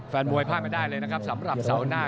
แฟนมวยพลาดไม่ได้เลยนะครับสำหรับเสาร์หน้า